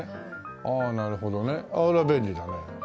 ああなるほどね便利だね。